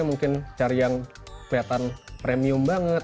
mungkin cari yang kelihatan premium banget